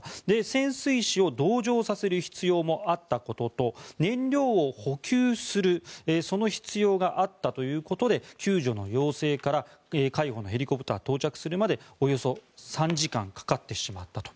潜水士を同乗させる必要もあったことと、燃料を補給するその必要があったということで救助の要請から海保のヘリコプターが到着するまでおよそ３時間かかってしまったと。